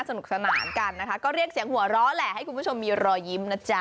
สนุกสนานกันนะคะก็เรียกเสียงหัวเราะแหละให้คุณผู้ชมมีรอยยิ้มนะจ๊ะ